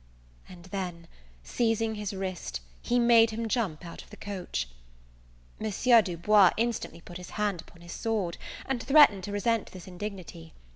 And then, seizing his wrist, he made him jump out of the coach. M. Du Bois instantly put his hand upon his sword, and threatened to resent this indignity.